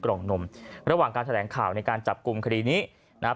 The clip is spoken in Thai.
กล่องนมระหว่างการแถลงข่าวในการจับกลุ่มคดีนี้นะครับ